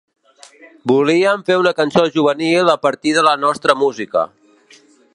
Volíem fer una cançó juvenil a partir de la nostra música.